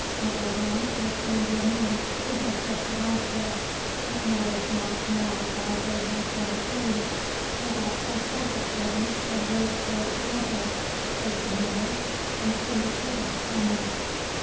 At Roanne I found your men, who had just arrived there. It matters not now why they had been detained. I got fresh horses for them and rode for Correze, placed an ambush, and turned the tables upon them.